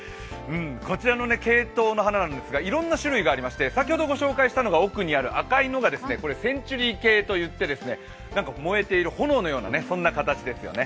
こちらのケイトウの花ですが、いろいろな種類がありまして、先ほどご紹介した奥にある赤いのがセンチュリー系といって燃えている炎のような、そんな形ですよね。